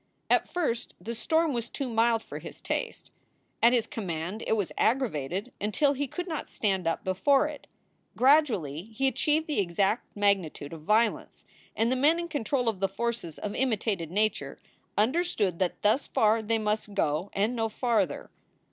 At first the storm was too mild for his taste. At his command it was aggravated until he could not stand up before it. Gradually he achieved the exact magnitude of violence, and the men in control of the forces of imitated nature understood that thus far they must go and no farther.